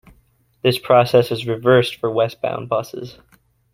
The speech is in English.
This process is reversed for westbound buses.